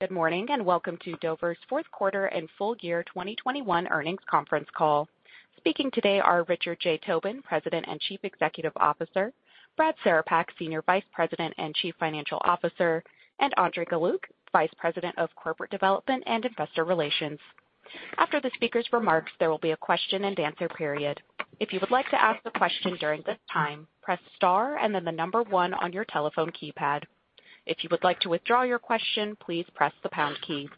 Good morning, and welcome to Dover's fourth quarter and full year 2021 earnings conference call. Speaking today are Richard J. Tobin, President and Chief Executive Officer, Brad Cerepak, Senior Vice President and Chief Financial Officer, and Andrey Galiuk, Vice President of Corporate Development and Investor Relations. After the speakers' remarks, there will be a question-and-answer period. If you would like to ask a question during this time, press star and then the number one on your telephone keypad. If you would like to withdraw your question, please press the pound key.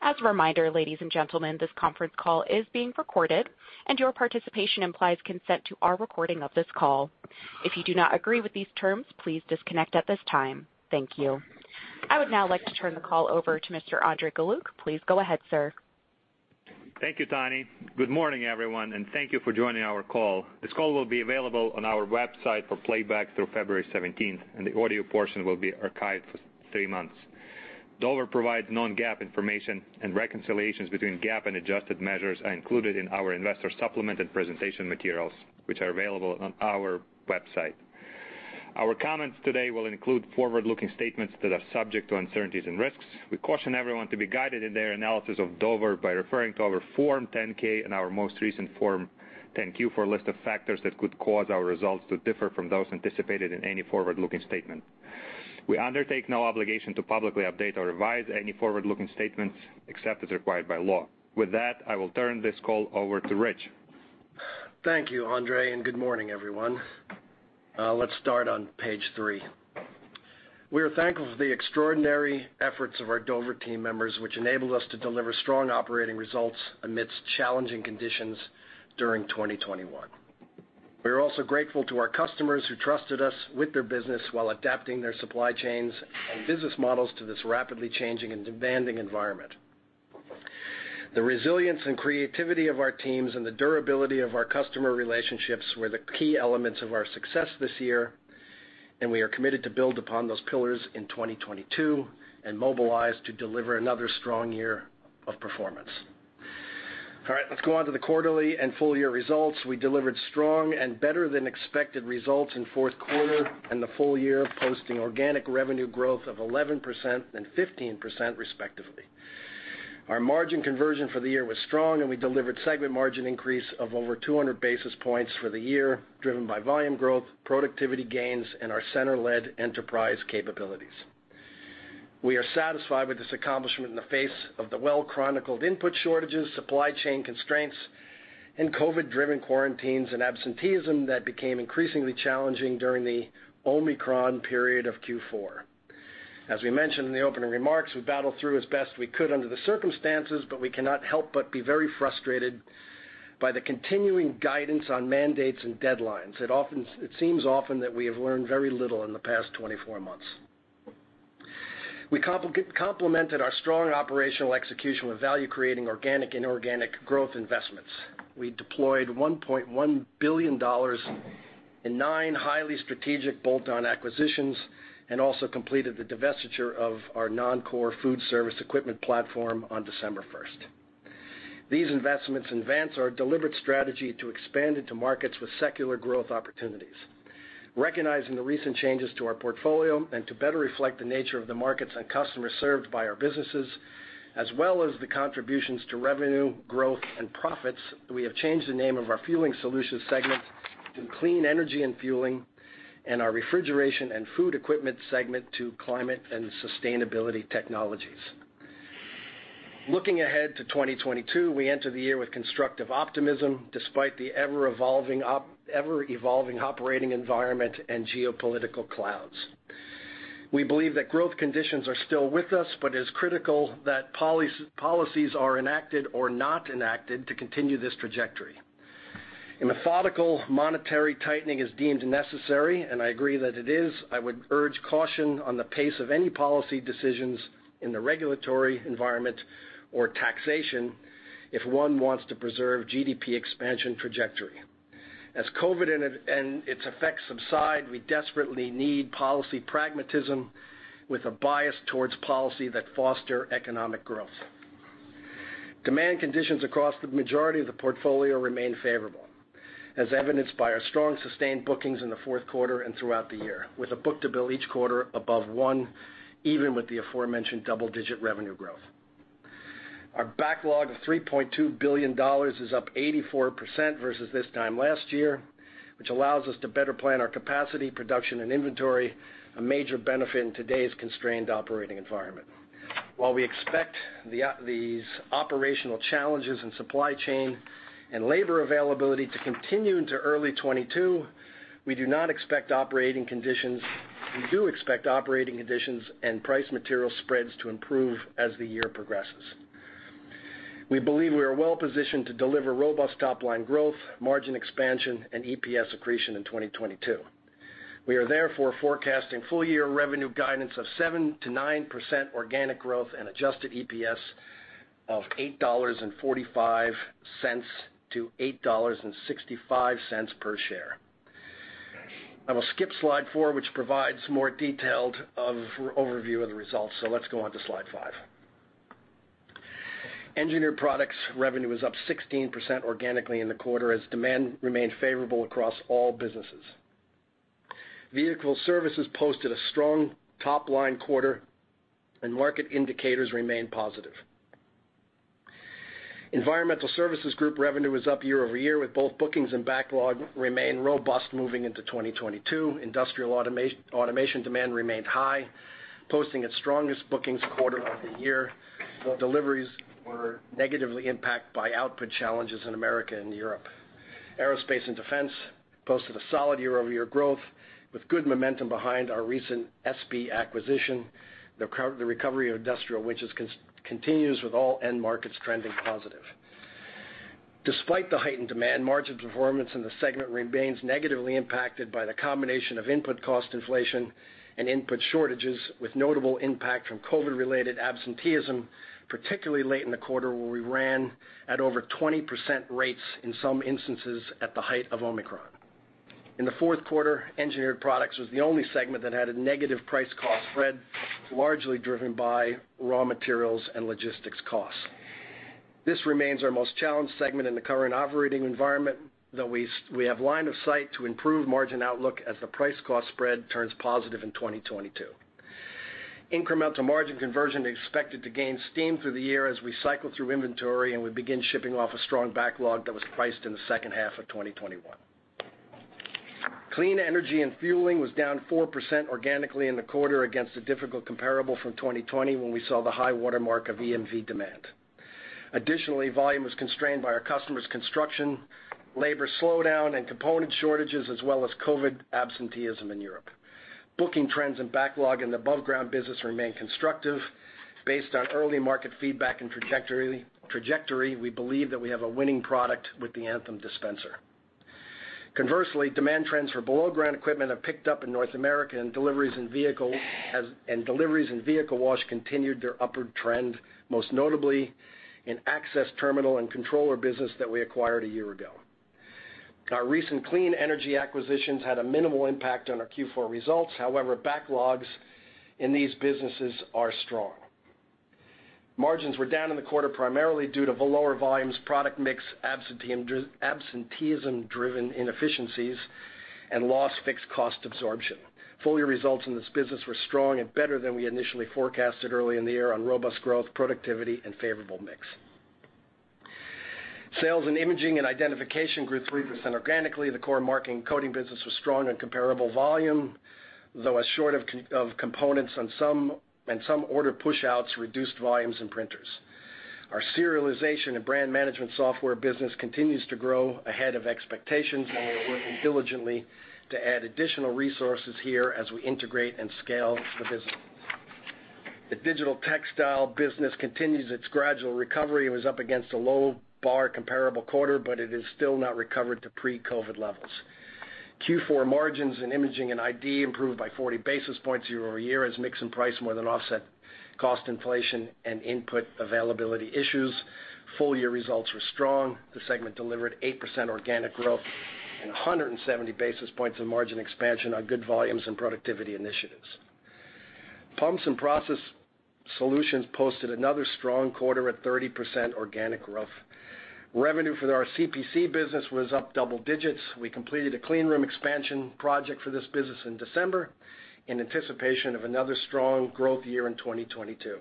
As a reminder, ladies and gentlemen, this conference call is being recorded, and your participation implies consent to our recording of this call. If you do not agree with these terms, please disconnect at this time. Thank you. I would now like to turn the call over to Mr. Andrey Galiuk. Please go ahead, sir. Thank you, Tanya. Good morning, everyone, and thank you for joining our call. This call will be available on our website for playback through February 17, and the audio portion will be archived for three months. Dover provides non-GAAP information and reconciliations between GAAP and adjusted measures are included in our investor supplement and presentation materials, which are available on our website. Our comments today will include forward-looking statements that are subject to uncertainties and risks. We caution everyone to be guided in their analysis of Dover by referring to our Form 10-K and our most recent Form 10-Q for a list of factors that could cause our results to differ from those anticipated in any forward-looking statement. We undertake no obligation to publicly update or revise any forward-looking statements, except as required by law. With that, I will turn this call over to Rich. Thank you, Andrey, and good morning, everyone. Let's start on page three. We are thankful for the extraordinary efforts of our Dover team members, which enabled us to deliver strong operating results amidst challenging conditions during 2021. We are also grateful to our customers who trusted us with their business while adapting their supply chains and business models to this rapidly changing and demanding environment. The resilience and creativity of our teams and the durability of our customer relationships were the key elements of our success this year, and we are committed to build upon those pillars in 2022 and mobilize to deliver another strong year of performance. All right, let's go on to the quarterly and full year results. We delivered strong and better-than-expected results in fourth quarter and the full year, posting organic revenue growth of 11% and 15% respectively. Our margin conversion for the year was strong, and we delivered segment margin increase of over 200 basis points for the year, driven by volume growth, productivity gains, and our center-led enterprise capabilities. We are satisfied with this accomplishment in the face of the well-chronicled input shortages, supply chain constraints, and COVID-driven quarantines and absenteeism that became increasingly challenging during the Omicron period of Q4. As we mentioned in the opening remarks, we battled through as best we could under the circumstances, but we cannot help but be very frustrated by the continuing guidance on mandates and deadlines. It seems often that we have learned very little in the past 24 months. We complemented our strong operational execution with value-creating organic and inorganic growth investments. We deployed $1.1 billion in nine highly strategic bolt-on acquisitions and also completed the divestiture of our non-core food service equipment platform on December 1st. These investments advance our deliberate strategy to expand into markets with secular growth opportunities. Recognizing the recent changes to our portfolio and to better reflect the nature of the markets and customers served by our businesses, as well as the contributions to revenue, growth, and profits, we have changed the name of our Fueling Solutions segment to Clean Energy and Fueling, and our Refrigeration and Food Equipment segment to Climate and Sustainability Technologies. Looking ahead to 2022, we enter the year with constructive optimism, despite the ever-evolving operating environment and geopolitical clouds. We believe that growth conditions are still with us, but it's critical that policies are enacted or not enacted to continue this trajectory. A methodical monetary tightening is deemed necessary, and I agree that it is. I would urge caution on the pace of any policy decisions in the regulatory environment or taxation if one wants to preserve GDP expansion trajectory. As COVID and its effects subside, we desperately need policy pragmatism with a bias towards policy that foster economic growth. Demand conditions across the majority of the portfolio remain favorable, as evidenced by our strong sustained bookings in the fourth quarter and throughout the year, with a book-to-bill each quarter above one, even with the aforementioned double-digit revenue growth. Our backlog of $3.2 billion is up 84% versus this time last year, which allows us to better plan our capacity, production, and inventory, a major benefit in today's constrained operating environment. While we expect these operational challenges in supply chain and labor availability to continue into early 2022, we do expect operating conditions and price material spreads to improve as the year progresses. We believe we are well positioned to deliver robust top-line growth, margin expansion, and EPS accretion in 2022. We are therefore forecasting full-year revenue guidance of 7%-9% organic growth and adjusted EPS of $8.45-$8.65 per share. I will skip slide four, which provides more detailed overview of the results. Let's go on to slide five. Engineered Products revenue was up 16% organically in the quarter as demand remained favorable across all businesses. Vehicle Services posted a strong top-line quarter and market indicators remain positive. Environmental Solutions Group revenue was up year-over-year with both bookings and backlog remain robust moving into 2022. Industrial Automation demand remained high, posting its strongest bookings quarter of the year, though deliveries were negatively impacted by output challenges in America and Europe. Aerospace and Defense posted a solid year-over-year growth with good momentum behind our recent Espy acquisition. The recovery of Industrial, which continues with all end markets trending positive. Despite the heightened demand, margin performance in the segment remains negatively impacted by the combination of input cost inflation and input shortages with notable impact from COVID-related absenteeism, particularly late in the quarter where we ran at over 20% rates in some instances at the height of Omicron. In the fourth quarter, Engineered Products was the only segment that had a negative price cost spread, largely driven by raw materials and logistics costs. This remains our most challenged segment in the current operating environment, though we have line of sight to improve margin outlook as the price cost spread turns positive in 2022. Incremental margin conversion expected to gain steam through the year as we cycle through inventory and we begin shipping off a strong backlog that was priced in the second half of 2021. Clean Energy & Fueling was down 4% organically in the quarter against a difficult comparable from 2020 when we saw the high watermark of EMV demand. Additionally, volume was constrained by our customers' construction, labor slowdown, and component shortages, as well as COVID absenteeism in Europe. Booking trends and backlog in the above ground business remain constructive. Based on early market feedback and trajectory, we believe that we have a winning product with the Anthem Dispenser. Conversely, demand trends for below ground equipment have picked up in North America, and deliveries in vehicle wash continued their upward trend, most notably in access terminal and controller business that we acquired a year ago. Our recent clean energy acquisitions had a minimal impact on our Q4 results. However, backlogs in these businesses are strong. Margins were down in the quarter primarily due to the lower volumes, product mix, absenteeism-driven inefficiencies, and lost fixed cost absorption. Full-year results in this business were strong and better than we initially forecasted early in the year on robust growth, productivity, and favorable mix. Sales in Imaging and Identification grew 3% organically. The core marking and coding business was strong in comparable volume, though shortages of components and some order pushouts reduced volumes in printers. Our serialization and brand management software business continues to grow ahead of expectations, and we are working diligently to add additional resources here as we integrate and scale the business. The digital textile business continues its gradual recovery. It was up against a low bar comparable quarter, but it has still not recovered to pre-COVID levels. Q4 margins in Imaging & Identification improved by 40 basis points year-over-year as mix and price more than offset cost inflation and input availability issues. Full-year results were strong. The segment delivered 8% organic growth and 170 basis points of margin expansion on good volumes and productivity initiatives. Pumps & Process Solutions posted another strong quarter at 30% organic growth. Revenue for our CPC business was up double digits. We completed a clean room expansion project for this business in December in anticipation of another strong growth year in 2022.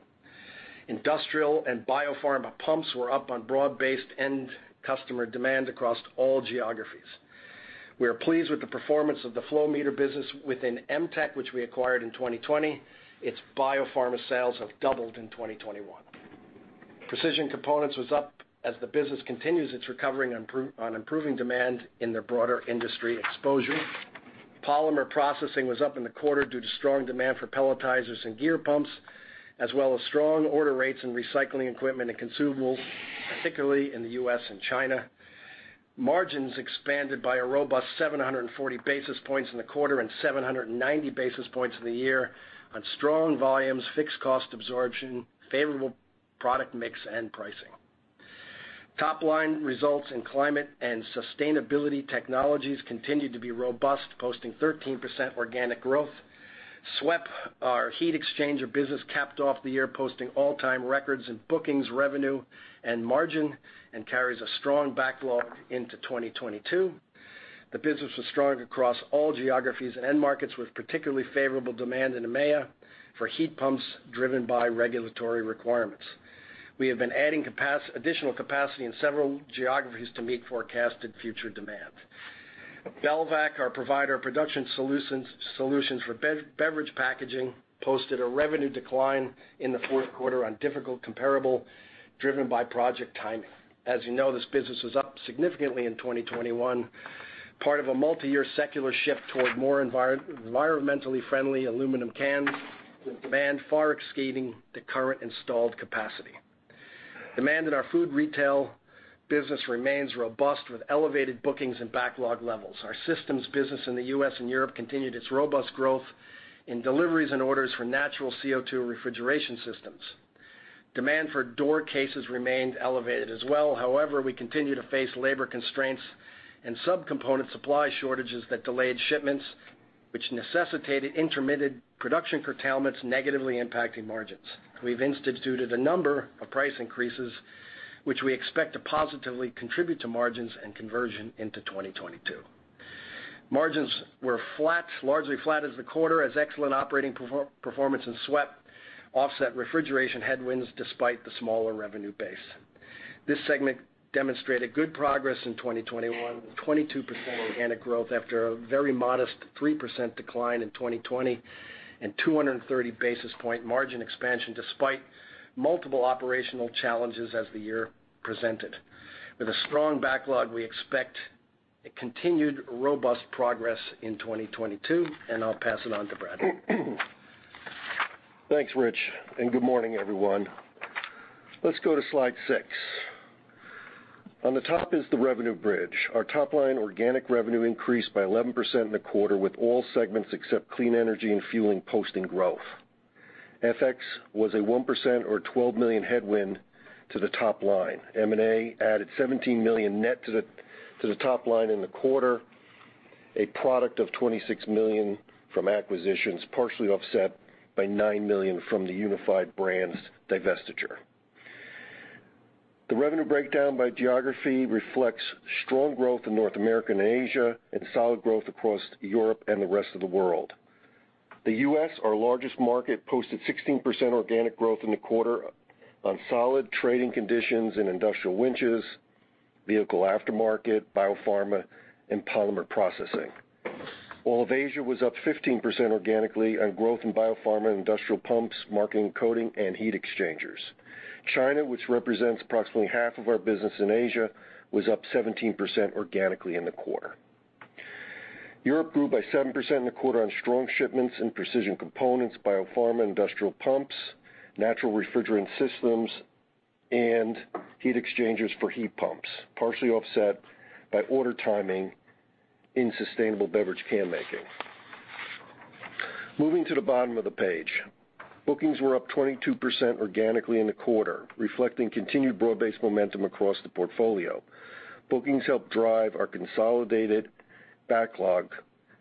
Industrial and Biopharma pumps were up on broad-based end customer demand across all geographies. We are pleased with the performance of the flow meter business within Em-tec, which we acquired in 2020. Its Biopharma sales have doubled in 2021. Precision Components was up as the business continues its recovery on improving demand in their broader industry exposure. Polymer Processing was up in the quarter due to strong demand for pelletizers and gear pumps, as well as strong order rates in recycling equipment and consumables, particularly in the U.S. and China. Margins expanded by a robust 740 basis points in the quarter and 790 basis points in the year on strong volumes, fixed cost absorption, favorable product mix, and pricing. Top-line results in Climate and Sustainability Technologies continued to be robust, posting 13% organic growth. SWEP, our heat exchanger business, capped off the year posting all-time records in bookings, revenue, and margin, and carries a strong backlog into 2022. The business was strong across all geographies and end markets, with particularly favorable demand in EMEA for heat pumps driven by regulatory requirements. We have been adding additional capacity in several geographies to meet forecasted future demand. Belvac, our provider of production solutions for beverage packaging, posted a revenue decline in the fourth quarter on difficult comparable driven by project timing. As you know, this business was up significantly in 2021, part of a multiyear secular shift toward more environmentally friendly aluminum cans, with demand far exceeding the current installed capacity. Demand in our food retail business remains robust with elevated bookings and backlog levels. Our systems business in the U.S. and Europe continued its robust growth in deliveries and orders for natural CO2 refrigeration systems. Demand for door cases remained elevated as well. However, we continue to face labor constraints and subcomponent supply shortages that delayed shipments, which necessitated intermittent production curtailments negatively impacting margins. We've instituted a number of price increases, which we expect to positively contribute to margins and conversion into 2022. Margins were flat, largely flat at the quarter, as excellent operating performance in SWEP offset refrigeration headwinds despite the smaller revenue base. This segment demonstrated good progress in 2021, with 22% organic growth after a very modest 3% decline in 2020 and 230 basis point margin expansion despite multiple operational challenges as the year presented. With a strong backlog, we expect a continued robust progress in 2022, and I'll pass it on to Brad. Thanks, Rich, and good morning, everyone. Let's go to slide six. On the top is the revenue bridge. Our top line organic revenue increased by 11% in the quarter with all segments except Clean Energy & Fueling posting growth. FX was a 1% or $12 million headwind to the top line. M&A added $17 million net to the top line in the quarter, a product of $26 million from acquisitions, partially offset by $9 million from the Unified Brands divestiture. The revenue breakdown by geography reflects strong growth in North America and Asia and solid growth across Europe and the Rest of the World. The U.S., our largest market, posted 16% organic growth in the quarter on solid trading conditions in Industrial Winches, Vehicle Aftermarket, Biopharma, and Polymer Processing. All of Asia was up 15% organically on growth in Biopharma, Industrial Pumps, Marking and Coating, and Heat Exchangers. China, which represents approximately half of our business in Asia, was up 17% organically in the quarter. Europe grew by 7% in the quarter on strong shipments in Precision Components, Biopharma, Industrial Pumps, Natural Refrigerant Systems, and heat exchangers for heat pumps, partially offset by order timing in sustainable beverage can making. Moving to the bottom of the page. Bookings were up 22% organically in the quarter, reflecting continued broad-based momentum across the portfolio. Bookings helped drive our consolidated backlog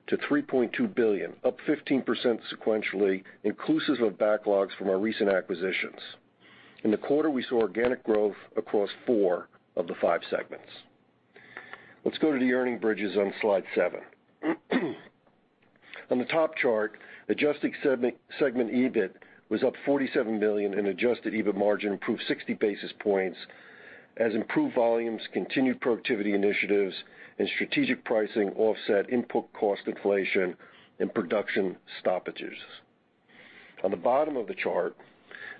to $3.2 billion, up 15% sequentially, inclusive of backlogs from our recent acquisitions. In the quarter, we saw organic growth across four of the five segments. Let's go to the earnings bridges on slide seven. On the top chart, Adjusted Segment EBIT was up $47 million and Adjusted EBIT margin improved 60 basis points as improved volumes, continued productivity initiatives, and strategic pricing offset input cost inflation and production stoppages. On the bottom of the chart,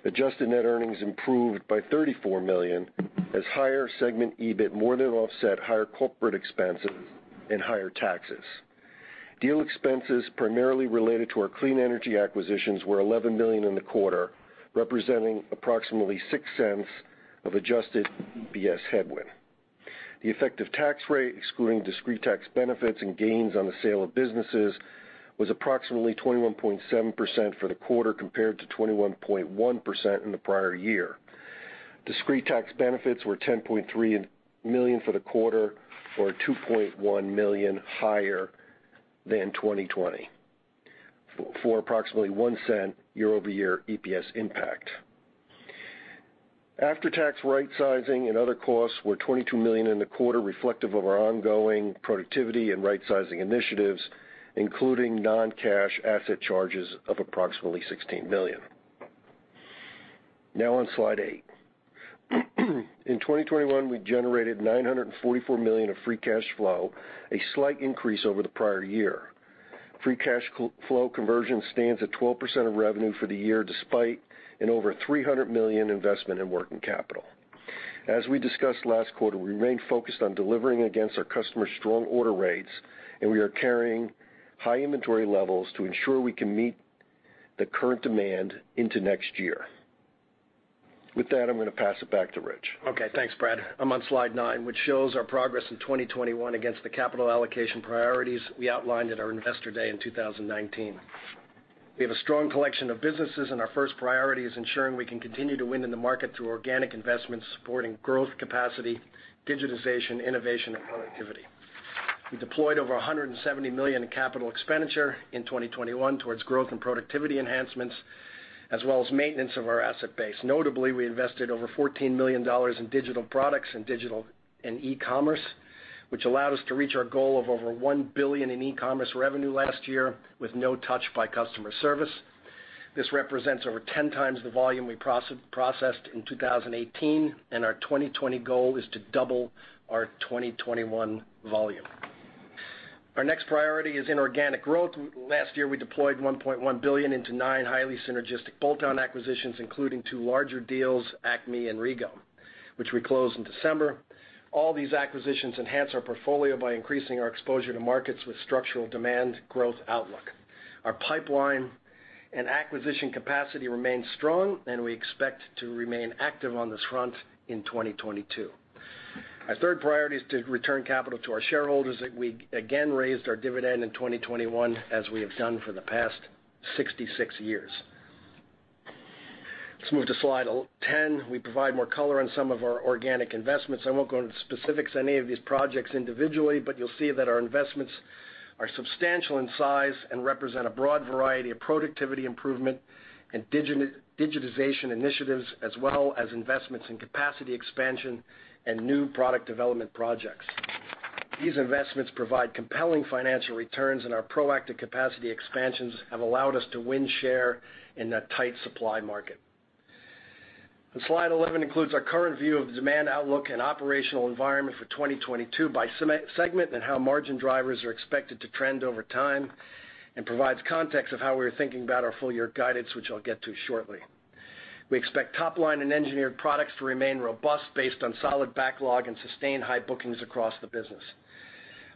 adjusted net earnings improved by $34 million as higher Segment EBIT more than offset higher corporate expenses and higher taxes. Deal expenses primarily related to our clean energy acquisitions were $11 million in the quarter, representing approximately $0.06 of adjusted EPS headwind. The effective tax rate, excluding discrete tax benefits and gains on the sale of businesses, was approximately 21.7% for the quarter compared to 21.1% in the prior year. Discrete tax benefits were $10.3 million for the quarter, or $2.1 million higher than 2020 for $0.01 year-over-year EPS impact. After-tax rightsizing and other costs were $22 million in the quarter reflective of our ongoing productivity and rightsizing initiatives, including non-cash asset charges of approximately $16 million. Now on slide eight. In 2021, we generated $944 million of free cash flow, a slight increase over the prior year. Free cash flow conversion stands at 12% of revenue for the year despite an over $300 million investment in Working Capital. As we discussed last quarter, we remain focused on delivering against our customer's strong order rates, and we are carrying high inventory levels to ensure we can meet the current demand into next year. With that, I'm going to pass it back to Rich. Okay, thanks, Brad. I'm on slide nine, which shows our progress in 2021 against the capital allocation priorities we outlined at our Investor Day in 2019. We have a strong collection of businesses, and our first priority is ensuring we can continue to win in the market through organic investments supporting Growth Capacity, Digitization, Innovation, and Productivity. We deployed over $170 million in capital expenditure in 2021 towards Growth and Productivity enhancements, as well as maintenance of our asset base. Notably, we invested over $14 million in digital products and digital and e-commerce, which allowed us to reach our goal of over $1 billion in e-commerce revenue last year with no touch by customer service. This represents over 10x the volume we processed in 2018, and our 2020 goal is to double our 2021 volume. Our next priority is Inorganic growth. Last year, we deployed $1.1 billion into nine highly synergistic bolt-on acquisitions, including two larger deals, Acme and RegO, which we closed in December. All these acquisitions enhance our portfolio by increasing our exposure to markets with structural demand growth outlook. Our Pipeline and acquisition Capacity remains strong, and we expect to remain active on this front in 2022. Our third priority is to return capital to our shareholders. We, again, raised our dividend in 2021, as we have done for the past 66 years. Let's move to slide 11. We provide more color on some of our Organic investments. I won't go into specifics on any of these projects individually, but you'll see that our investments are substantial in size and represent a broad variety of productivity improvement and digitalization initiatives, as well as investments in capacity expansion and new product development projects. These investments provide compelling financial returns, and our proactive capacity expansions have allowed us to win share in a tight supply market. Slide 11 includes our current view of demand outlook and operational environment for 2022 by segment and how margin drivers are expected to trend over time, and provides context of how we're thinking about our full year guidance, which I'll get to shortly. We expect top line and Engineered Products to remain robust based on solid backlog and sustained high bookings across the business.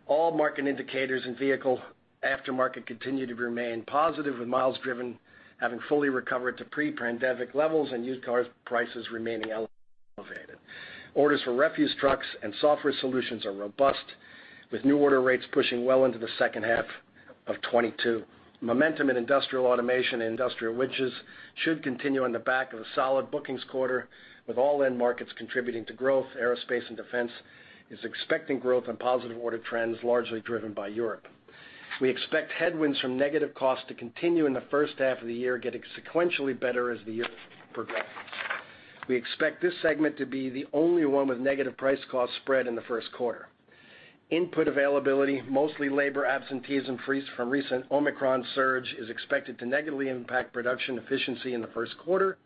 All market indicators and vehicle aftermarket continue to remain positive, with miles driven having fully recovered to pre-pandemic levels and used cars prices remaining elevated. Orders for refuse trucks and software solutions are robust, with new order rates pushing well into the second half of 2022. Momentum in Industrial Automation and industrial winches should continue on the back of a solid bookings quarter, with all end markets contributing to growth. Aerospace and defense is expecting growth and positive order trends, largely driven by Europe. We expect headwinds from negative costs to continue in the first half of the year, getting sequentially better as the year progresses. We expect this segment to be the only one with negative price/cost spread in the first quarter. Input availability, mostly labor absenteeism freeze from recent Omicron surge, is expected to negatively impact production efficiency in the first quarter,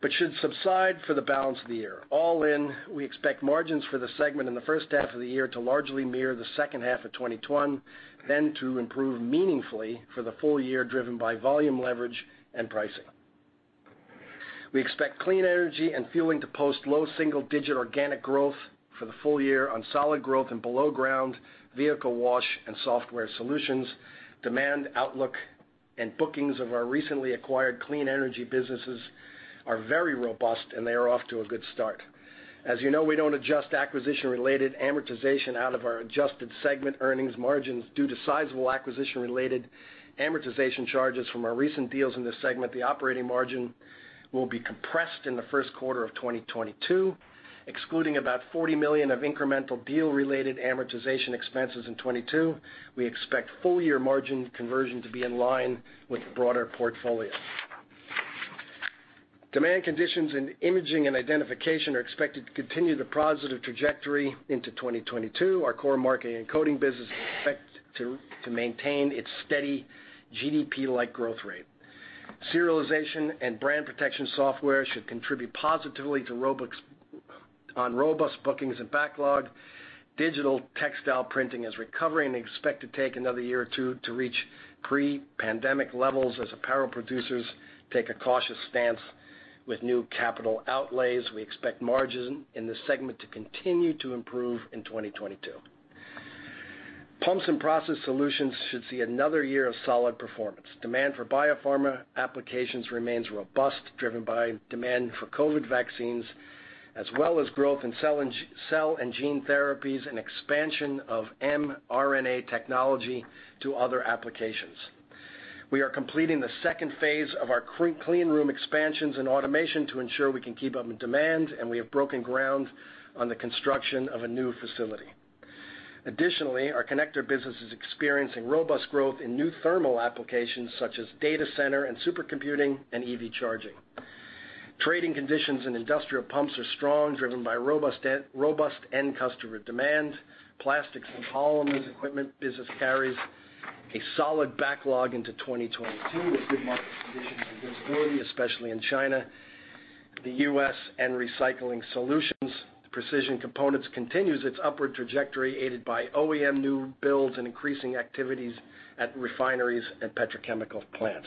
but should subside for the balance of the year. All in, we expect margins for the segment in the first half of the year to largely mirror the second half of 2021, then to improve meaningfully for the full year, driven by volume leverage and pricing. We expect Clean Energy & Fueling to post low single-digit organic growth for the full year on solid growth and below-ground vehicle wash and software solutions. Demand outlook and bookings of our recently acquired clean energy businesses are very robust, and they are off to a good start. As you know, we don't adjust acquisition-related amortization out of our adjusted segment earnings margins due to sizable acquisition-related amortization charges from our recent deals in this segment. The operating margin will be compressed in the first quarter of 2022. Excluding about $40 million of incremental deal-related amortization expenses in 2022, we expect full year margin conversion to be in line with the broader portfolio. Demand conditions in Imaging & Identification are expected to continue the positive trajectory into 2022. Our core marking and coding business is expected to maintain its steady GDP-like growth rate. Serialization and brand protection software should contribute positively to robust bookings and backlog. Digital textile printing is recovering and expect to take another year or two to reach pre-pandemic levels as apparel producers take a cautious stance with new capital outlays. We expect margin in this segment to continue to improve in 2022. Pumps & Process Solutions should see another year of solid performance. Demand for biopharma applications remains robust, driven by demand for COVID vaccines, as well as growth in cell and gene therapies and expansion of mRNA technology to other applications. We are completing the second phase of our clean room expansions and automation to ensure we can keep up with demand, and we have broken ground on the construction of a new facility. Additionally, our connector business is experiencing robust growth in new thermal applications, such as data center and supercomputing and EV charging. Trading conditions in industrial pumps are strong, driven by robust end customer demand. Plastics and polymers equipment business carries a solid backlog into 2022 with good market conditions and visibility, especially in China, the U.S. and recycling solutions. Precision components continues its upward trajectory, aided by OEM new builds and increasing activities at refineries and petrochemical plants.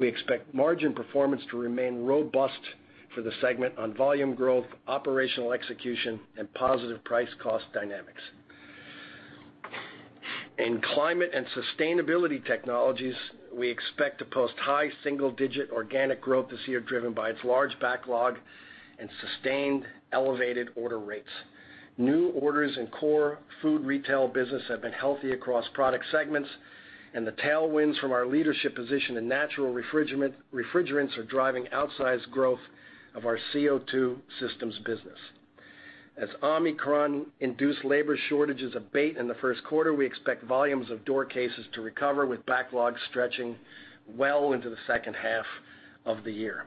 We expect margin performance to remain robust for the segment on volume growth, operational execution, and positive price cost dynamics. In Climate & Sustainability Technologies, we expect to post high single-digit organic growth this year, driven by its large backlog and sustained elevated order rates. New orders in core food retail business have been healthy across product segments, and the tailwinds from our leadership position in natural refrigerant-refrigerants are driving outsized growth of our CO2 systems business. As Omicron-induced labor shortages abate in the first quarter, we expect volumes of door cases to recover, with backlogs stretching well into the second half of the year.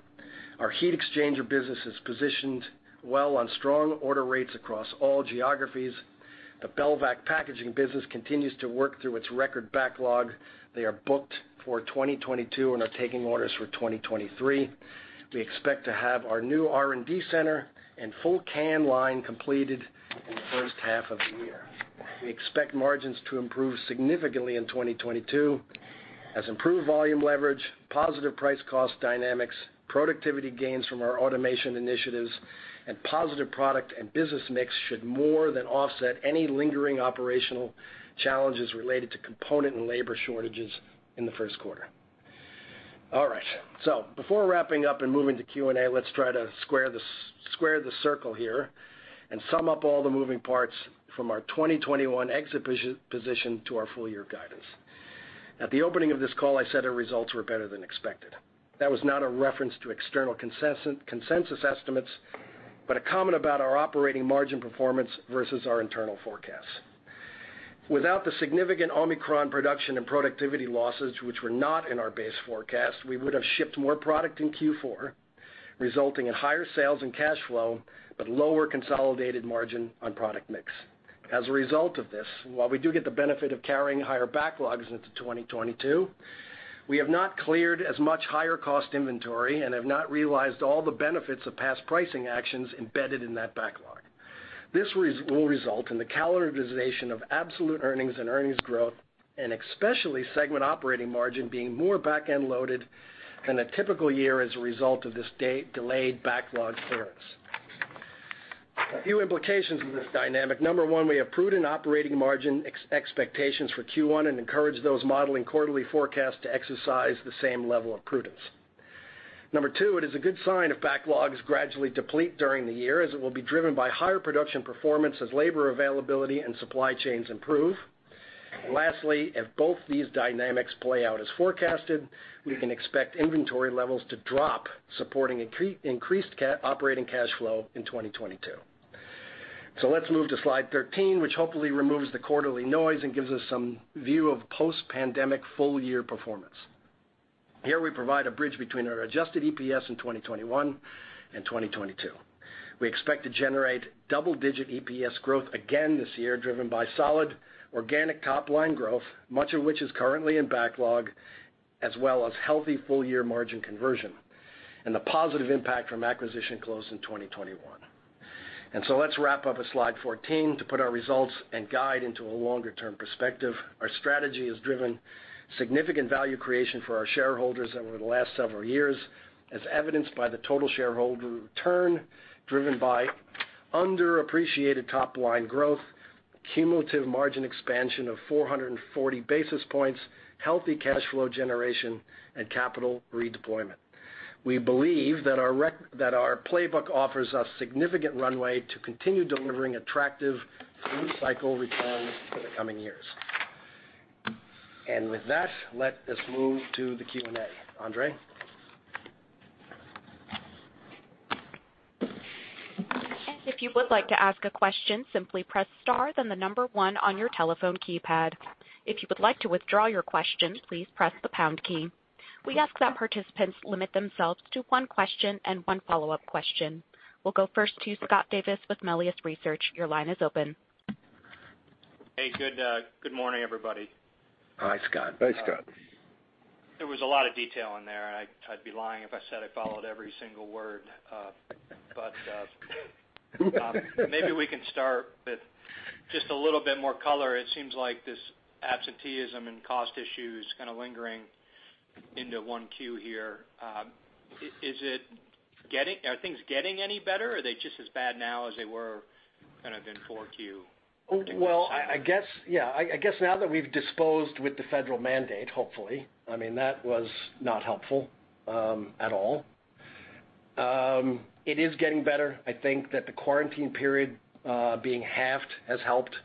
Our heat exchanger business is positioned well on strong order rates across all geographies. The Belvac packaging business continues to work through its record backlog. They are booked for 2022 and are taking orders for 2023. We expect to have our new R&D center and full can line completed in the first half of the year. We expect margins to improve significantly in 2022 as improved volume leverage, positive price cost dynamics, productivity gains from our automation initiatives, and positive product and business mix should more than offset any lingering operational challenges related to component and labor shortages in the first quarter. All right, so before wrapping up and moving to Q&A, let's try to square the circle here and sum up all the moving parts from our 2021 exit position to our full year guidance. At the opening of this call, I said our results were better than expected. That was not a reference to external consensus estimates, but a comment about our operating margin performance versus our internal forecasts. Without the significant Omicron production and productivity losses, which were not in our base forecast, we would have shipped more product in Q4, resulting in higher sales and cash flow, but lower consolidated margin on product mix. As a result of this, while we do get the benefit of carrying higher backlogs into 2022, we have not cleared as much higher cost inventory and have not realized all the benefits of past pricing actions embedded in that backlog. This will result in the calendarization of absolute earnings and earnings growth, and especially segment operating margin being more back-end loaded than a typical year as a result of this delayed backlog clearance. A few implications of this dynamic. Number one, we have prudent operating margin expectations for Q1 and encourage those modeling quarterly forecasts to exercise the same level of prudence. Two, it is a good sign if backlogs gradually deplete during the year, as it will be driven by higher production performance as labor availability and supply chains improve. Lastly, if both these dynamics play out as forecasted, we can expect inventory levels to drop, supporting increased operating cash flow in 2022. Let's move to slide 13, which hopefully removes the quarterly noise and gives us some view of post-pandemic full-year performance. Here, we provide a bridge between our adjusted EPS in 2021 and 2022. We expect to generate double-digit EPS growth again this year, driven by solid organic top line growth, much of which is currently in backlog, as well as healthy full-year margin conversion and the positive impact from acquisition closed in 2021. Let's wrap up with slide 14 to put our results and guide into a longer-term perspective. Our strategy has driven significant value creation for our shareholders over the last several years, as evidenced by the total shareholder return driven by underappreciated top line growth, cumulative margin expansion of 440 basis points, healthy cash flow generation, and capital redeployment. We believe that our playbook offers us significant runway to continue delivering attractive through-cycle returns for the coming years. With that, let us move to the Q&A. Andre? If you would like to ask a question, simply press star then one on your telephone keypad. If you would like to withdraw your question, please press the pound key. We ask that participants limit themselves to one question and one follow-up question. We'll go first to Scott Davis with Melius Research. Your line is open. Hey, good morning, everybody. Hi, Scott. Hi, Scott. There was a lot of detail in there. I'd be lying if I said I followed every single word. Maybe we can start with just a little bit more color. It seems like this absenteeism and cost issue is kind of lingering into 1Q here. Are things getting any better? Or are they just as bad now as they were kind of in 4Q? Well, I guess, yeah. I guess now that we've dispensed with the federal mandate, hopefully, I mean, that was not helpful at all. It is getting better. I think that the quarantine period being halved has helped.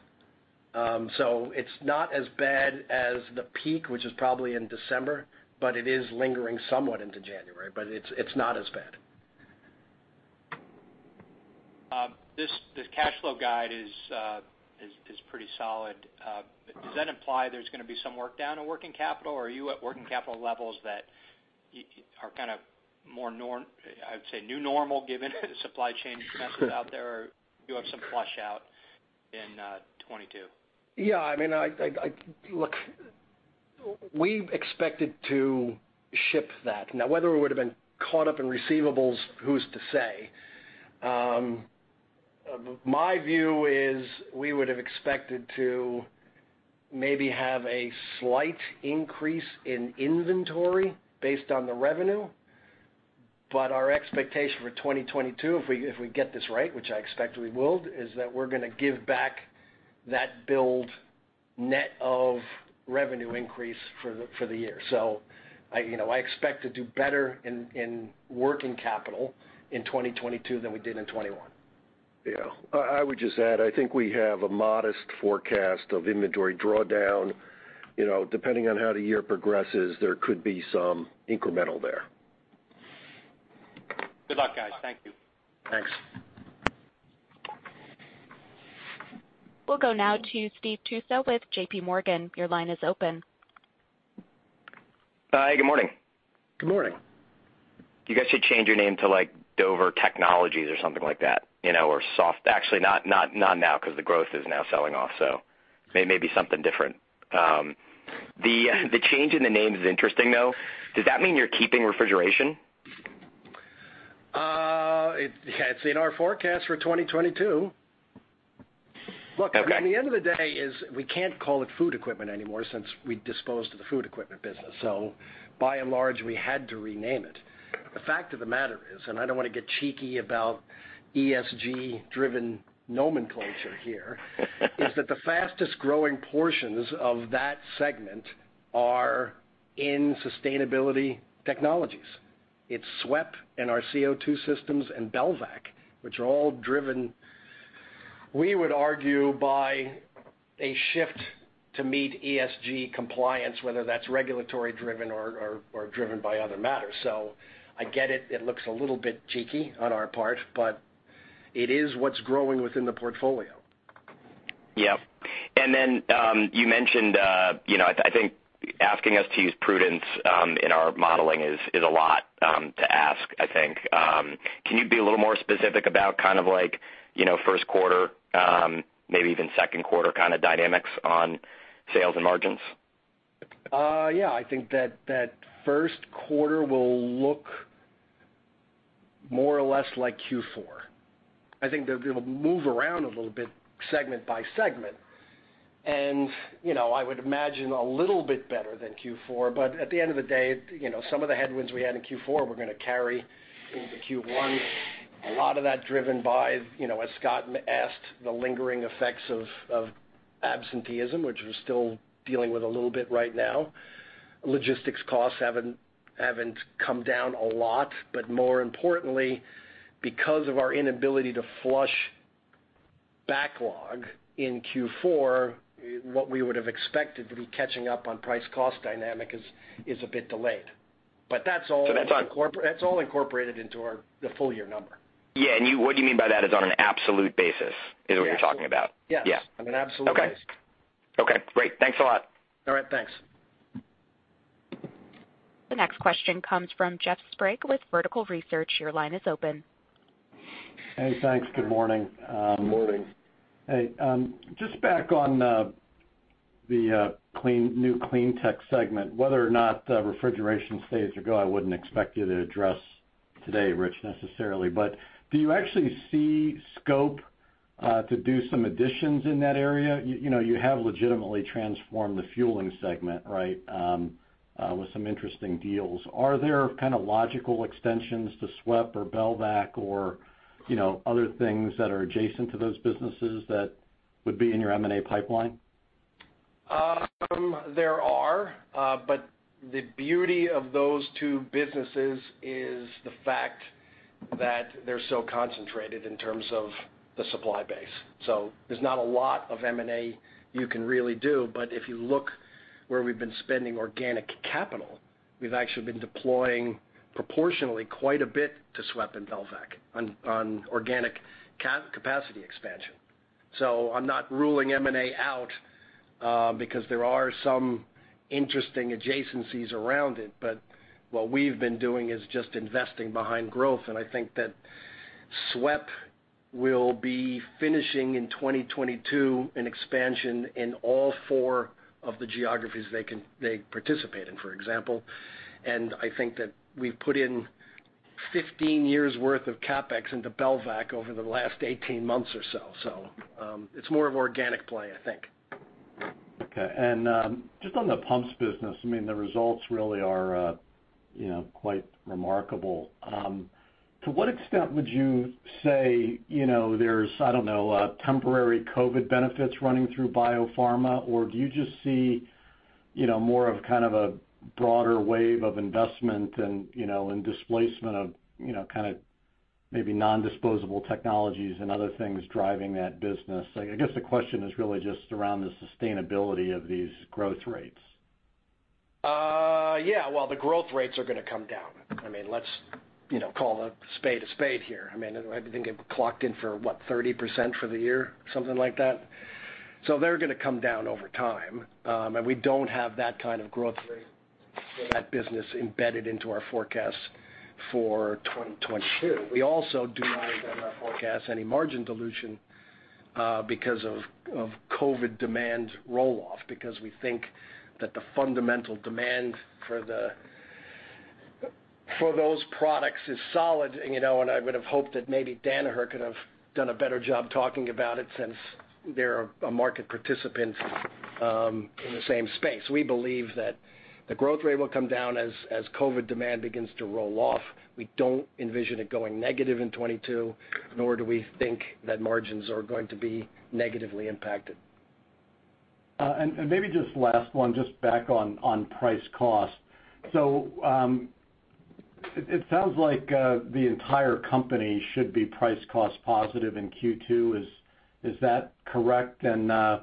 It's not as bad as the peak, which is probably in December, but it is lingering somewhat into January, but it's not as bad. This cash flow guide is pretty solid. Does that imply there's gonna be some work down in Working Capital? Or are you at working capital levels that you are kind of, I'd say, new normal given the supply chain messes out there? Or do you have some flush out in 2022? Yeah, I mean, look, we expected to ship that. Now, whether we would've been caught up in receivables, who's to say? My view is we would've expected to maybe have a slight increase in inventory based on the revenue. But our expectation for 2022, if we get this right, which I expect we will, is that we're gonna give back that build net of revenue increase for the year. You know, I expect to do better in working capital in 2022 than we did in 2021. Yeah. I would just add, I think we have a modest forecast of inventory drawdown. You know, depending on how the year progresses, there could be some incremental there. Good luck, guys. Thank you. Thanks. We'll go now to Steve Tusa with JPMorgan. Your line is open. Good morning. Good morning. You guys should change your name to, like, Dover Technologies or something like that, you know, or soft. Actually not now 'cause the growth is now selling off, so maybe something different. The change in the name is interesting, though. Does that mean you're keeping refrigeration? It's in our forecast for 2022. Okay. Look, I mean, at the end of the day is we can't call it food equipment anymore since we disposed of the food equipment business, so by and large, we had to rename it. The fact of the matter is, and I don't wanna get cheeky about ESG-driven nomenclature here is that the fastest-growing portions of that segment are in sustainability technologies. It's SWEP and our CO2 systems and Belvac, which are all driven, we would argue, by a shift to meet ESG compliance, whether that's regulatory driven or driven by other matters. So I get it. It looks a little bit cheeky on our part, but it is what's growing within the portfolio. Yep. You mentioned, you know, I think asking us to use prudence in our modeling is a lot to ask, I think. Can you be a little more specific about kind of like, you know, first quarter, maybe even second quarter kinda dynamics on sales and margins? Yeah. I think that first quarter will look more or less like Q4. I think that it'll move around a little bit segment by segment. You know, I would imagine a little bit better than Q4, but at the end of the day, you know, some of the headwinds we had in Q4 we're gonna carry into Q1. A lot of that driven by, you know, as Scott asked, the lingering effects of absenteeism, which we're still dealing with a little bit right now. Logistics costs haven't come down a lot, but more importantly, because of our inability to flush backlog in Q4, what we would have expected to be catching up on price cost dynamic is a bit delayed. That's all incorporated into the full year number. Yeah. What do you mean by that is on an absolute basis, is what you're talking about? Yes. Yeah. On an absolute basis. Okay. Okay, great. Thanks a lot. All right. Thanks. The next question comes from Jeff Sprague with Vertical Research Partners. Your line is open. Hey, thanks. Good morning. Good morning. Hey, just back on the new Clean Energy & Fueling segment, whether or not the refrigeration stays or go, I wouldn't expect you to address today, Rich, necessarily. Do you actually see scope to do some additions in that area? You know, you have legitimately transformed the fueling segment, right, with some interesting deals. Are there kind of logical extensions to SWEP or Belvac or, you know, other things that are adjacent to those businesses that would be in your M&A pipeline? The beauty of those two businesses is the fact that they're so concentrated in terms of the supply base. There's not a lot of M&A you can really do. If you look where we've been spending organic capital, we've actually been deploying proportionally quite a bit to SWEP and Belvac on organic capacity expansion. I'm not ruling M&A out, because there are some interesting adjacencies around it. What we've been doing is just investing behind growth. I think that SWEP will be finishing in 2022 an expansion in all four of the geographies they participate in, for example. I think that we've put in 15 years worth of CapEx into Belvac over the last 18 months or so. It's more of organic play, I think. Okay. Just on the pumps business, I mean, the results really are, you know, quite remarkable. To what extent would you say, you know, there's, I don't know, temporary COVID benefits running through Biopharma, or do you just see, you know, more of kind of a broader wave of investment and, you know, and displacement of, you know, kinda maybe nondisposable technologies and other things driving that business? I guess the question is really just around the sustainability of these growth rates. Yeah. Well, the growth rates are gonna come down. I mean, let's, you know, call a spade a spade here. I mean, I think it clocked in for, what, 30% for the year, something like that. They're gonna come down over time. We don't have that kind of growth rate for that business embedded into our forecast for 2022. We also do not have in our forecast any margin dilution, because of COVID demand roll-off, because we think that the fundamental demand for the for those products is solid. You know, I would have hoped that maybe Danaher could have done a better job talking about it since they're a market participant in the same space. We believe that the growth rate will come down as COVID demand begins to roll off. We don't envision it going negative in 2022, nor do we think that margins are going to be negatively impacted. Maybe just last one, just back on price cost. It sounds like the entire company should be price cost positive in Q2. Is that correct? When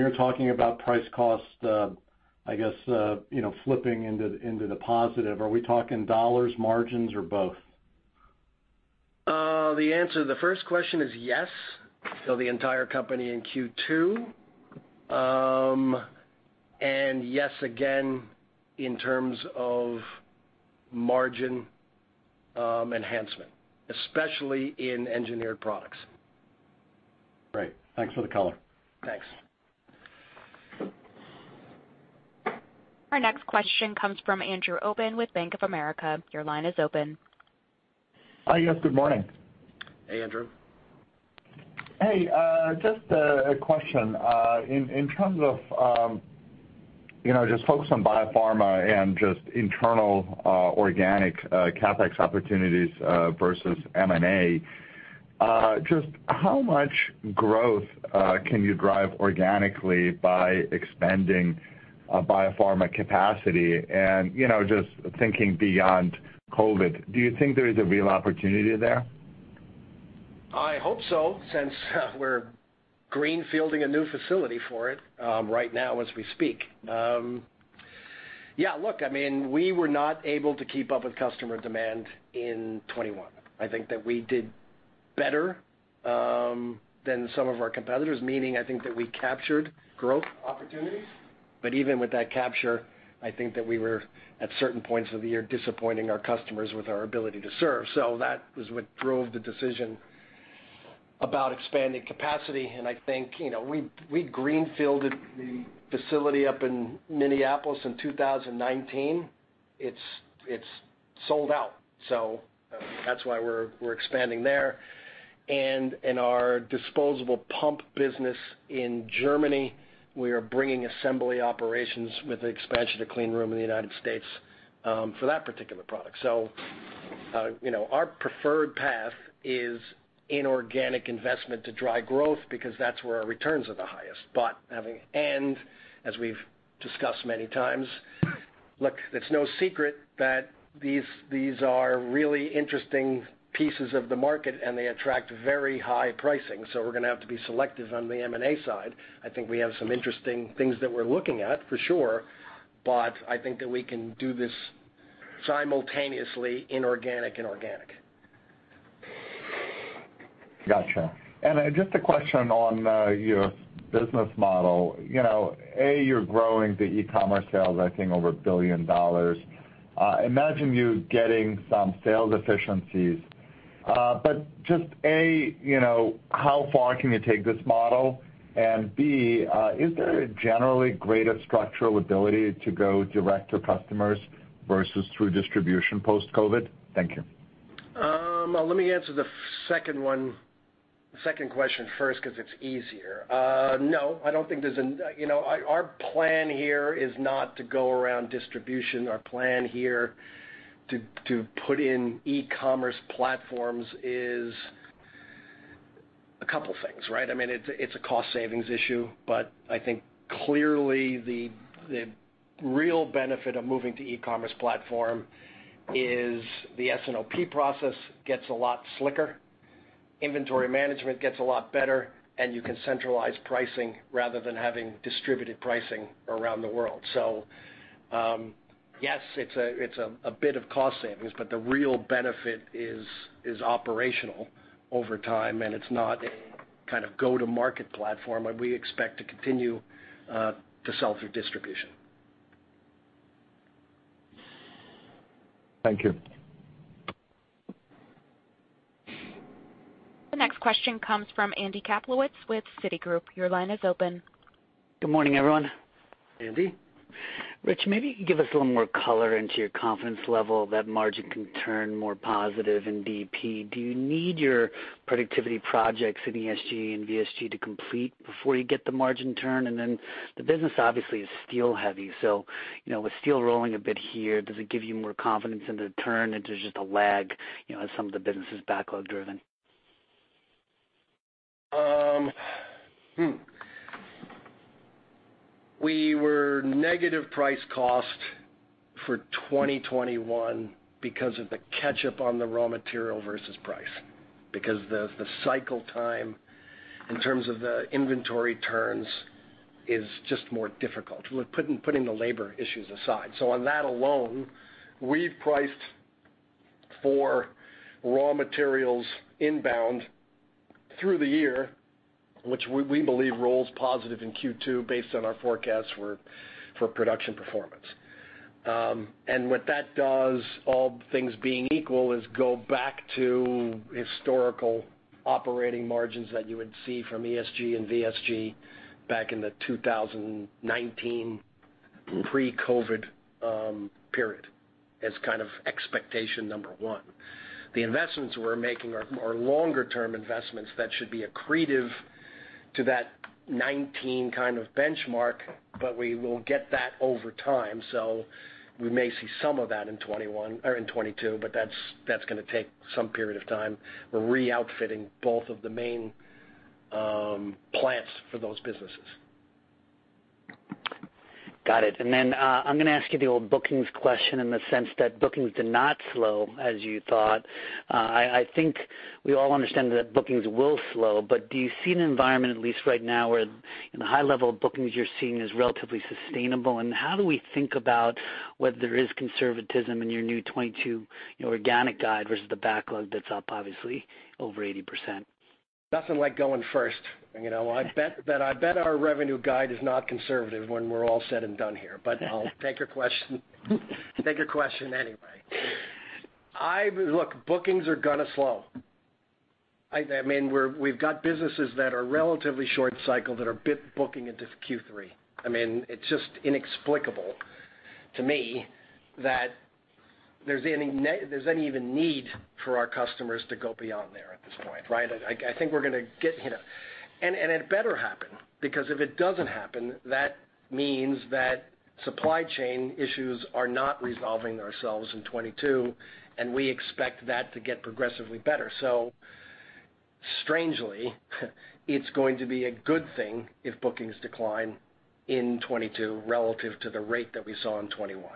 you're talking about price cost, I guess you know, flipping into the positive, are we talking dollars, margins, or both? The answer to the first question is yes. The entire company in Q2. Yes, again, in terms of margin enhancement, especially in Engineered Products. Great. Thanks for the color. Thanks. Our next question comes from Andrew Obin with Bank of America. Your line is open. Hi. Yes, good morning. Hey, Andrew. Hey, just a question. In terms of, you know, just focus on Biopharma and just internal organic CapEx opportunities versus M&A, just how much growth can you drive organically by expanding Biopharma capacity? You know, just thinking beyond COVID, do you think there is a real opportunity there? I hope so, since we're greenfielding a new facility for it right now as we speak. Yeah, look, I mean, we were not able to keep up with customer demand in 2021. I think that we did better than some of our competitors, meaning I think that we captured growth opportunities. Even with that capture, I think that we were at certain points of the year disappointing our customers with our ability to serve. That is what drove the decision about expanding capacity. I think, you know, we greenfielded the facility up in Minneapolis in 2019. It's sold out. That's why we're expanding there. In our disposable pump business in Germany, we are bringing assembly operations with the expansion to clean room in the United States for that particular producty. You know, our preferred path is inorganic investment to drive growth because that's where our returns are the highest. Having an and, as we've discussed many times, look, it's no secret that these are really interesting pieces of the market, and they attract very high pricing, so we're gonna have to be selective on the M&A side. I think we have some interesting things that we're looking at for sure, but I think that we can do this simultaneously inorganic and organic. Gotcha. Just a question on your business model. You know, A, you're growing the e-commerce sales, I think over $1 billion. Imagine you getting some sales efficiencies. But just A, you know, how far can you take this model? B, is there a generally greater structural ability to go direct to customers versus through distribution post-COVID? Thank you. Let me answer the second question first, 'cause it's easier. No. You know, our plan here is not to go around distribution. Our plan here to put in e-commerce platforms is a couple things, right? I mean, it's a cost savings issue, but I think clearly the real benefit of moving to e-commerce platform is the S&OP process gets a lot slicker, inventory management gets a lot better, and you can centralize pricing rather than having distributed pricing around the world. Yes, it's a bit of cost savings, but the real benefit is operational over time, and it's not a kind of go to market platform, and we expect to continue to sell through distribution. Thank you. The next question comes from Andy Kaplowitz with Citigroup. Your line is open. Good morning, everyone. Andy. Rich, maybe give us a little more color into your confidence level that margin can turn more positive in EP. Do you need your productivity projects in ESG and VSG to complete before you get the margin turn? The business obviously is steel heavy. You know, with steel rolling a bit here, does it give you more confidence in the turn, and there's just a lag, you know, as some of the business is backlog driven? We were negative price cost for 2021 because of the catch up on the raw material versus price. Because the cycle time in terms of the inventory turns is just more difficult. Look, putting the labor issues aside. On that alone, we've priced for raw materials inbound through the year, which we believe rolls positive in Q2 based on our forecast for production performance. What that does, all things being equal, is go back to historical operating margins that you would see from ESG and VSG back in the 2019 pre-COVID period as kind of expectation number one. The investments we're making are longer-term investments that should be accretive to that 2019 kind of benchmark, but we will get that over time. We may see some of that in 2021 or in 2022, but that's gonna take some period of time. We're re-outfitting both of the main plants for those businesses. Got it. I'm gonna ask you the old bookings question in the sense that bookings did not slow as you thought. I think we all understand that bookings will slow, but do you see an environment, at least right now, where the high level of bookings you're seeing is relatively sustainable? How do we think about whether there is conservatism in your new 2022, you know, organic guide versus the backlog that's up obviously over 80%? Nothing like going first. You know, I bet our revenue guide is not conservative when we're all said and done here. I'll take your question anyway. Look, bookings are gonna slow. I mean, we've got businesses that are relatively short cycle that are booking into Q3. I mean, it's just inexplicable to me that there's any even need for our customers to go beyond there at this point, right? I think we're gonna get hit. It better happen, because if it doesn't happen, that means that supply chain issues are not resolving themselves in 2022, and we expect that to get progressively better. Strangely, it's going to be a good thing if bookings decline in 2022 relative to the rate that we saw in 2021.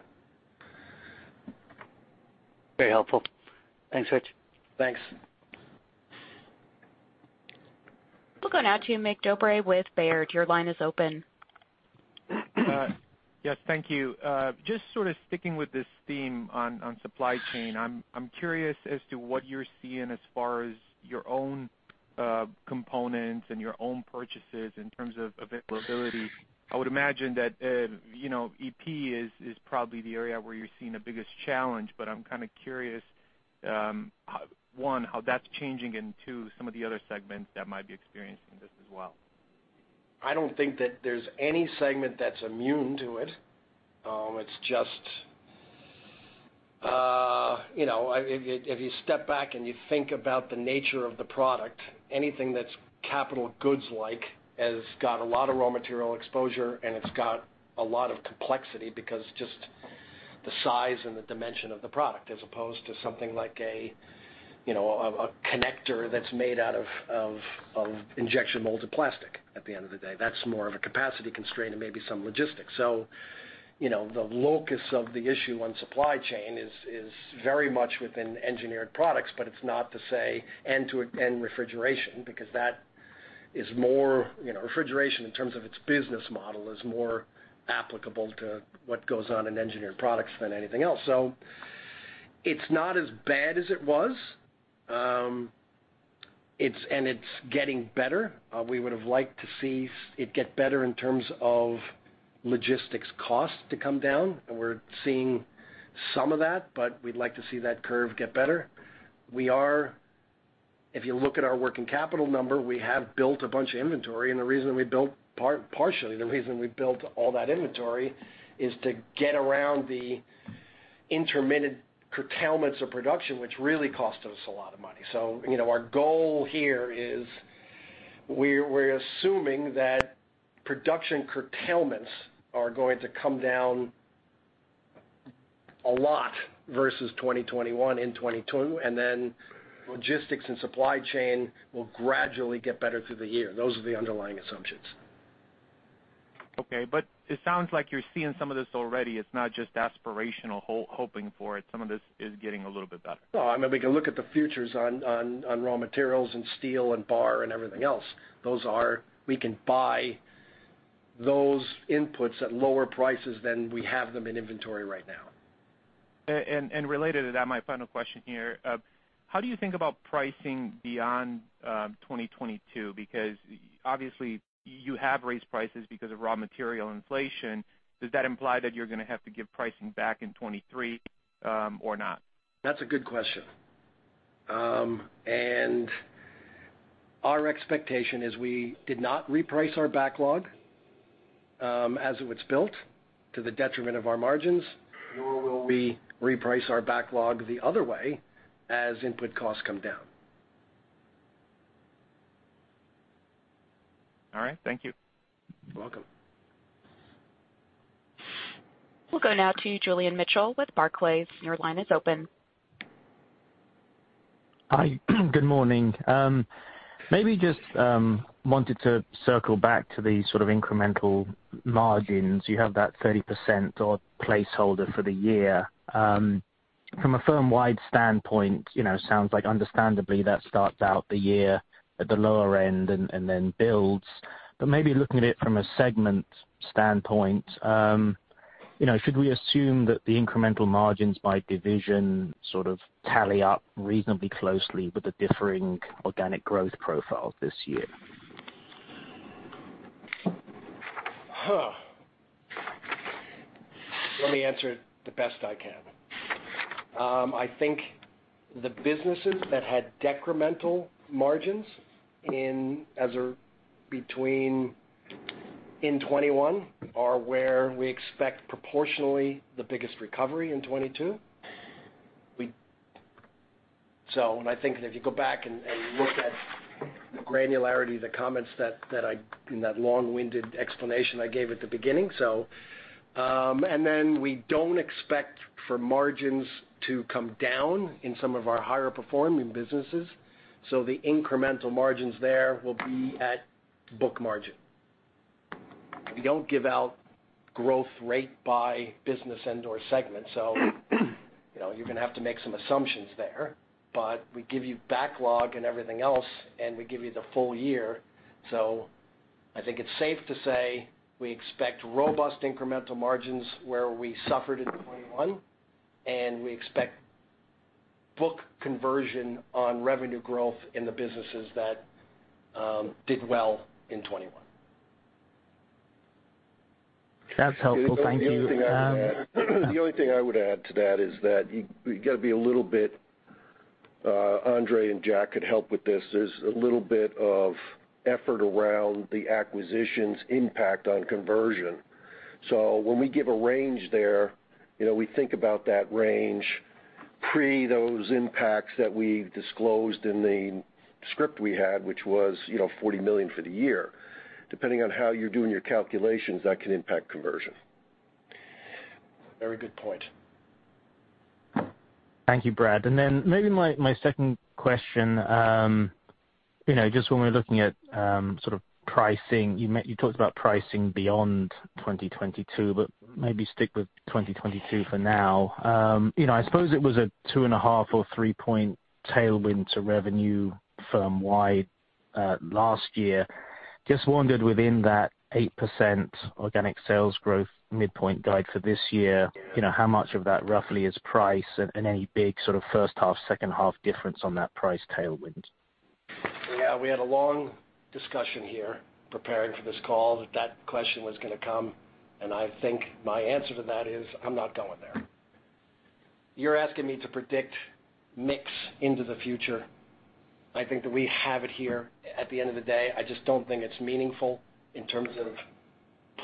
Very helpful. Thanks, Rich. Thanks. We'll go now to Mike Halloran with Baird. Your line is open. Yes, thank you. Just sort of sticking with this theme on supply chain. I'm curious as to what you're seeing as far as your own components and your own purchases in terms of availability. I would imagine that you know, EP is probably the area where you're seeing the biggest challenge, but I'm kinda curious, one, how that's changing, and two, some of the other segments that might be experiencing this as well. I don't think that there's any segment that's immune to it. It's just, you know, if you step back and you think about the nature of the product, anything that's capital goods-like has got a lot of raw material exposure, and it's got a lot of complexity because just the size and the dimension of the product, as opposed to something like a, you know, a connector that's made out of injection molded plastic at the end of the day. That's more of a capacity constraint and maybe some logistics. You know, the locus of the issue on supply chain is very much within Engineered Products, but it's not to say end-to-end Refrigeration because that is more, you know, Refrigeration in terms of its business model is more applicable to what goes on in Engineered Products than anything else. It's not as bad as it was, it's getting better. We would've liked to see it get better in terms of logistics cost to come down, and we're seeing some of that, but we'd like to see that curve get better. If you look at our working capital number, we have built a bunch of inventory, and partially the reason we built all that inventory is to get around the intermittent curtailments of production, which really cost us a lot of money. You know, our goal here is we're assuming that production curtailments are going to come down a lot versus 2021 and 2022, and then logistics and supply chain will gradually get better through the year. Those are the underlying assumptions. Okay, it sounds like you're seeing some of this already. It's not just aspirational hoping for it. Some of this is getting a little bit better. No, I mean, we can look at the futures on raw materials and steel and bar and everything else. We can buy those inputs at lower prices than we have them in inventory right now. Related to that, my final question here. How do you think about pricing beyond 2022? Because obviously you have raised prices because of raw material inflation. Does that imply that you're gonna have to give pricing back in 2023, or not? That's a good question. Our expectation is we did not reprice our backlog, as it was built to the detriment of our margins, nor will we reprice our backlog the other way as input costs come down. All right. Thank you. You're welcome. We'll go now to Julian Mitchell with Barclays. Your line is open. Hi. Good morning. Maybe just wanted to circle back to the sort of incremental margins. You have that 30% or placeholder for the year. From a firm-wide standpoint, you know, sounds like understandably that starts out the year at the lower end and then builds. Maybe looking at it from a segment standpoint, you know, should we assume that the incremental margins by division sort of tally up reasonably closely with the differing organic growth profiles this year? Let me answer it the best I can. I think the businesses that had decremental margins in 2021 are where we expect proportionally the biggest recovery in 2022. I think that if you go back and look at the granularity of the comments that I in that long-winded explanation I gave at the beginning. We don't expect for margins to come down in some of our higher performing businesses. The incremental margins there will be at book margin. We don't give out growth rate by business and/or segment, so you know, you're gonna have to make some assumptions there. We give you backlog and everything else, and we give you the full year. I think it's safe to say we expect robust incremental margins where we suffered in 2021, and we expect book conversion on revenue growth in the businesses that did well in 2021. That's helpful. Thank you. The only thing I would add to that is that you gotta be a little bit, Andrey and Jack could help with this. There's a little bit of effort around the acquisition's impact on conversion. When we give a range there, you know, we think about that range pre those impacts that we've disclosed in the script we had, which was, you know, $40 million for the year. Depending on how you're doing your calculations, that can impact conversion. Very good point. Thank you, Brad. Maybe my second question. You know, just when we're looking at sort of pricing, you talked about pricing beyond 2022, but maybe stick with 2022 for now. You know, I suppose it was a 2.5 or 3-point tailwind to revenue firm-wide last year. Just wondered within that 8% organic sales growth midpoint guide for this year, you know, how much of that roughly is price and any big sort of first half, second half difference on that price tailwind? Yeah. We had a long discussion here preparing for this call that question was gonna come, and I think my answer to that is I'm not going there. You're asking me to predict mix into the future. I think that we have it here. At the end of the day, I just don't think it's meaningful in terms of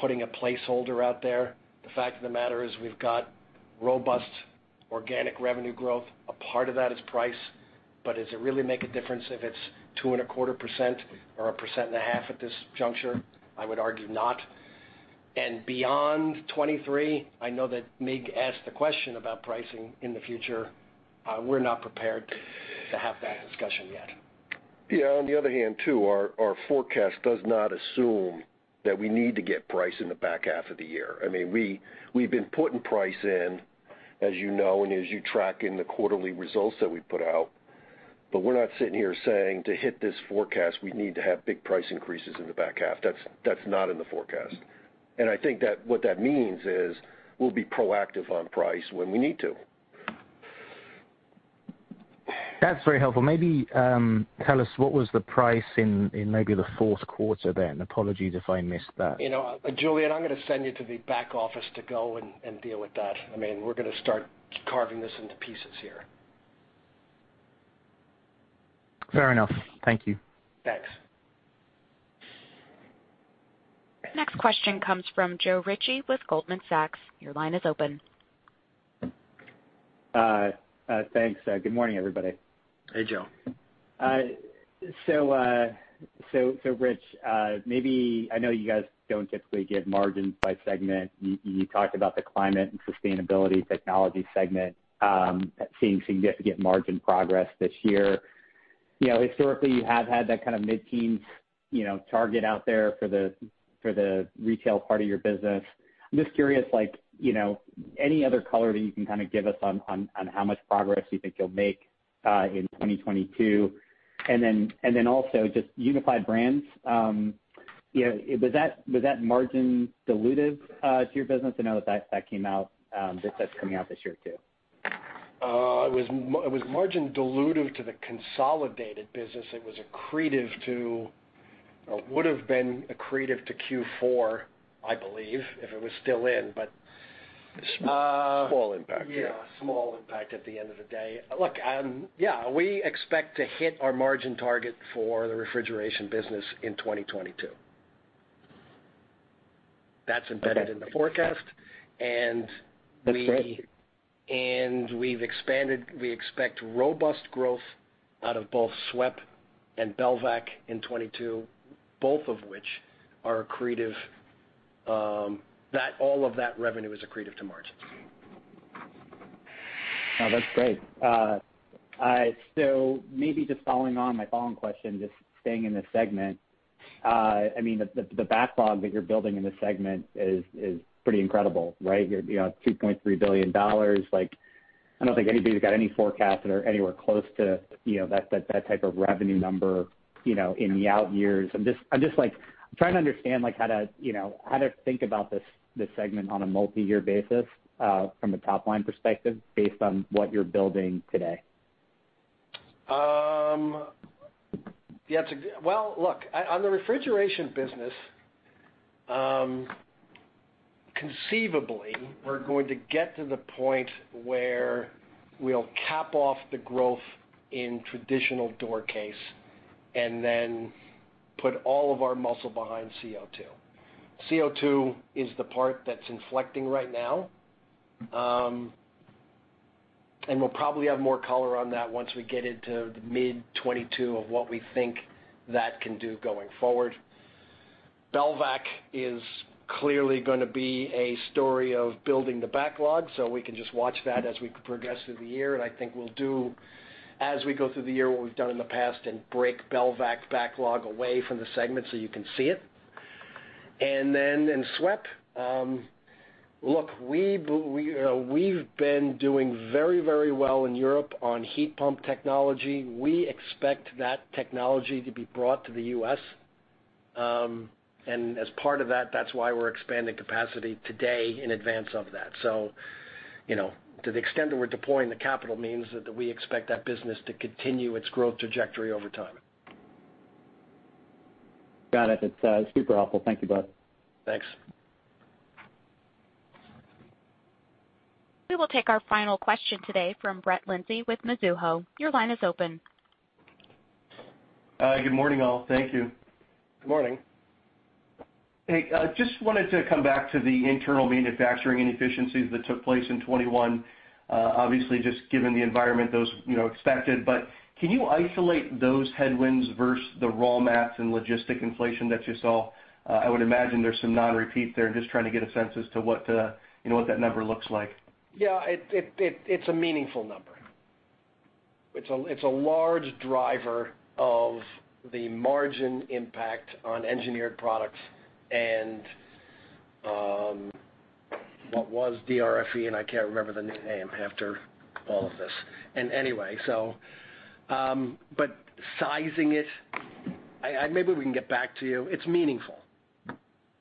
putting a placeholder out there. The fact of the matter is we've got robust organic revenue growth. A part of that is price, but does it really make a difference if it's 2.25% or 1.5% at this juncture? I would argue not. Beyond 2023, I know that Mig asked the question about pricing in the future, we're not prepared to have that discussion yet. Yeah. On the other hand too, our forecast does not assume that we need to get price in the back half of the year. I mean, we've been putting price in, as you know and as you track in the quarterly results that we put out, but we're not sitting here saying to hit this forecast, we need to have big price increases in the back half. That's not in the forecast. I think that what that means is we'll be proactive on price when we need to. That's very helpful. Maybe, tell us what was the price in maybe the fourth quarter then. Apologies if I missed that. You know, Julian, I'm gonna send you to the back office to go and deal with that. I mean, we're gonna start carving this into pieces here. Fair enough. Thank you. Thanks. Next question comes from Joe Ritchie with Goldman Sachs. Your line is open. Thanks. Good morning, everybody. Hey, Joe. Rich, maybe I know you guys don't typically give margins by segment. You talked about the Climate and Sustainability Technologies segment seeing significant margin progress this year. You know, historically, you have had that kind of mid-teens, you know, target out there for the retail part of your business. I'm just curious, like, you know, any other color that you can kind of give us on how much progress you think you'll make in 2022. And then also just Unified Brands, you know, was that margin dilutive to your business? I know that that's coming out this year too. It was margin dilutive to the consolidated business. It was accretive to or would have been accretive to Q4, I believe, if it was still in. Small impact. Yeah, small impact at the end of the day. Look, yeah, we expect to hit our margin target for the refrigeration business in 2022. That's embedded in the forecast. Okay. That's right. We expect robust growth out of both SWEP and Belvac in 2022, both of which are accretive, that all of that revenue is accretive to margins. No, that's great. Maybe just following on my question, just staying in this segment. I mean, the backlog that you're building in this segment is pretty incredible, right? You're, you know, $2.3 billion. Like, I don't think anybody's got any forecasts that are anywhere close to, you know, that type of revenue number, you know, in the out years. I'm just trying to understand, like how to, you know, how to think about this segment on a multi-year basis from a top line perspective based on what you're building today. Yeah, well, look, on the Refrigeration business, conceivably, we're going to get to the point where we'll cap off the growth in traditional door case and then put all of our muscle behind CO2. CO2 is the part that's inflecting right now. We'll probably have more color on that once we get into the mid-2022 of what we think that can do going forward. Belvac is clearly gonna be a story of building the backlog, so we can just watch that as we progress through the year. I think we'll do, as we go through the year, what we've done in the past and break Belvac backlog away from the segment so you can see it. Then in SWEP, look, we've been doing very well in Europe on heat pump technology. We expect that technology to be brought to the U.S., and as part of that's why we're expanding capacity today in advance of that. You know, to the extent that we're deploying the capital means that we expect that business to continue its growth trajectory over time. Got it. That's super helpful. Thank you both. Thanks. We will take our final question today from Brett Linzey with Mizuho. Your line is open. Good morning, all. Thank you. Good morning. Hey, I just wanted to come back to the internal manufacturing inefficiencies that took place in 2021. Obviously, just given the environment, those, you know, expected. Can you isolate those headwinds versus the raw materials and logistics inflation that you saw? I would imagine there's some non-repeat there. Just trying to get a sense as to what, you know, what that number looks like. Yeah, it's a meaningful number. It's a large driver of the margin impact on Engineered Products and what was DRFE, and I can't remember the nickname after all of this. Sizing it, maybe we can get back to you. It's meaningful,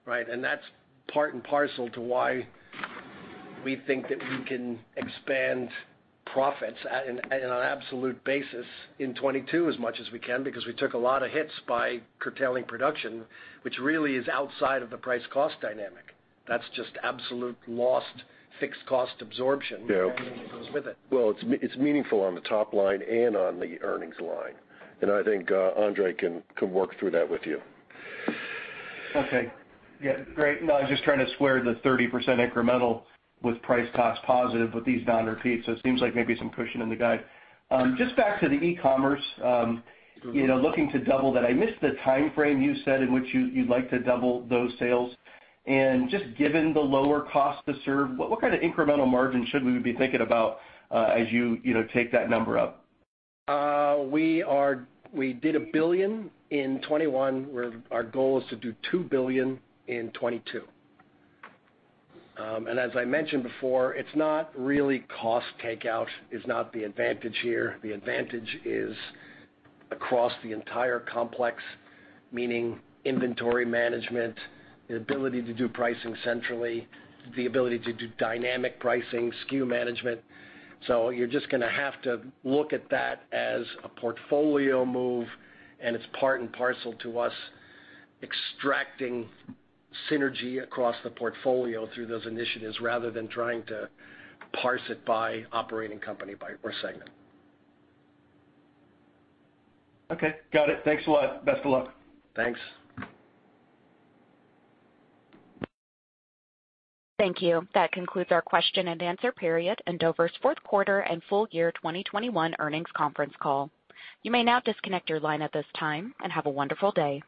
right? That's part and parcel to why we think that we can expand profits on an absolute basis in 2022 as much as we can because we took a lot of hits by curtailing production, which really is outside of the price cost dynamic. That's just absolute lost fixed cost absorption. Yeah. Everything that goes with it. Well, it's meaningful on the top line and on the earnings line. I think, Andre can work through that with you. Okay. Yeah, great. No, I was just trying to square the 30% incremental with price cost positive with these non-repeats. It seems like maybe some cushion in the guide. Just back to the e-commerce, you know, looking to double that. I missed the timeframe you said in which you'd like to double those sales. Just given the lower cost to serve, what kind of incremental margin should we be thinking about, as you know, take that number up? We did $1 billion in 2021, where our goal is to do $2 billion in 2022. As I mentioned before, it's not really cost takeout is not the advantage here. The advantage is across the entire complex, meaning inventory management, the ability to do pricing centrally, the ability to do dynamic pricing, SKU management. You're just gonna have to look at that as a portfolio move, and it's part and parcel to us extracting synergy across the portfolio through those initiatives rather than trying to parse it by operating company or segment. Okay, got it. Thanks a lot. Best of luck. Thanks. Thank you. That concludes our question and answer period in Dover's fourth quarter and full year 2021 earnings conference call. You may now disconnect your line at this time, and have a wonderful day.